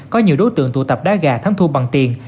có nhiều đối tượng tụ tập đá gà thắng thua bằng tiền